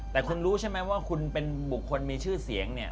แต่คุณรู้ใช่ไหมว่าคุณเป็นบุคคลมีชื่อเสียงเนี่ย